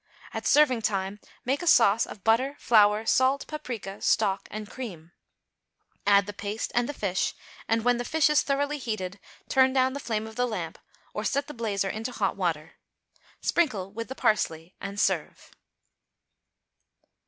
At serving time make a sauce of the butter, flour, salt, paprica, stock and cream; add the paste and the fish, and, when the fish is thoroughly heated, turn down the flame of the lamp or set the blazer into hot water. Sprinkle with the parsley and serve.